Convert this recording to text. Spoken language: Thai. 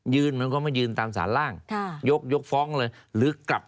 มันก็ไม่ยืนตามสารล่างค่ะยกยกฟ้องเลยหรือกลับ